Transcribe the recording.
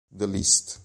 The List